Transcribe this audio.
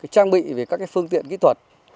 trang bị về các phương tiện kỹ thuật